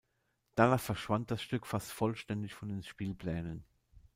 Danach verschwand das Stück fast vollständig von den Spielplänen.